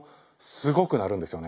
すごく鳴るんですよね。